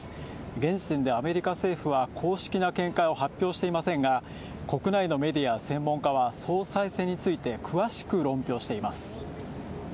現時点でアメリカ政府は公式な見解を発表していませんが国内のメディア専門家は総裁選について詳しく論評しています。